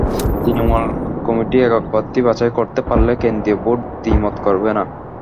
Trinamool committee একক প্রার্থী বাছাই করতে পারলে কেন্দ্রীয় বোর্ড দ্বিমত করবে না।